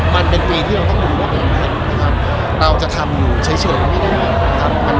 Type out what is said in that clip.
มันเป็นปีที่เราต้องหนูว่าเดี๋ยวอื่นให้เราจะทำอย่างเฉยไม่ได้